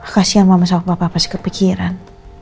kasian mama sama papa pasti kepikiran